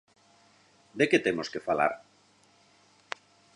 ¿De que temos que falar?